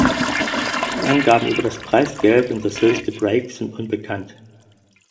Angaben über das Preisgeld und das höchste Break sind unbekannt.